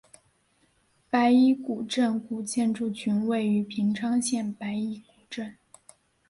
白衣古镇古建筑群位于平昌县白衣古镇。